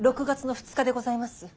６月の２日でございます。